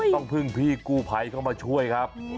ต้องพึ่งพี่กู้ภัยเข้ามาช่วยครับ